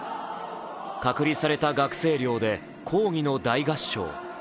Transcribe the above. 隔離された学生寮で抗議の大合唱。